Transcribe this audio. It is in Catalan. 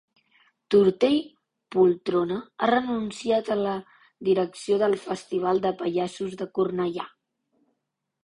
Tortell Poltrona ha renunciat a la direcció del Festival de Pallassos de Cornellà